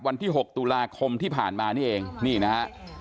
วันที่๖ตุลาคมที่ผ่านมานี่เองนี่นะฮะ